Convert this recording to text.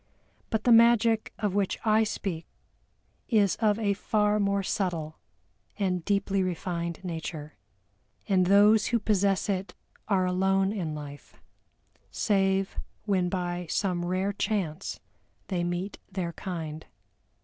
But the magic of which I speak is of a far more subtle and deeply refined nature, and those who possess it are alone in life, save when by some rare chance they meet their kind.